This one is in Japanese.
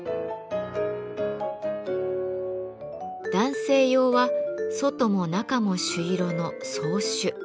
男性用は外も中も朱色の総朱。